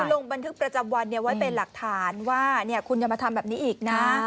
ลงบันทึกประจำวันไว้เป็นหลักฐานว่าคุณอย่ามาทำแบบนี้อีกนะ